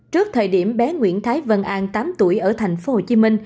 trước thời điểm bé nguyễn thái vân an tám tuổi ở tp hcm